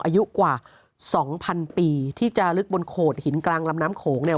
อายุกว่าสองพันปีที่จะลึกบนโขดหินกลางลำน้ำโขงเนี่ย